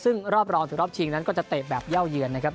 ซึ่งรอบรองถึงรอบชิงนั้นก็จะเตะแบบเย่าเยือนนะครับ